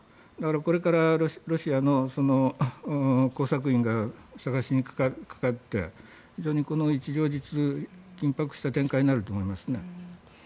これからロシアの工作員が捜しにかかって、非常に一両日中緊迫した展開になると思います。